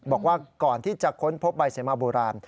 บอกว่าก่อนที่จะค้นพบใบเสมาโบราณ